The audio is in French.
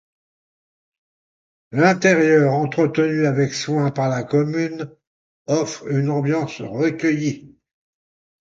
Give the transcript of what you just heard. L’intérieur, entretenu avec soin par la commune, offre une ambiance recueillie.